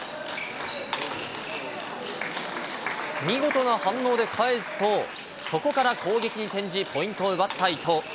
見事な反応で返すと、そこから攻撃に転じ、ポイントを奪った伊藤。